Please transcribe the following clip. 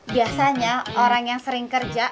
biasanya orang yang sering kerja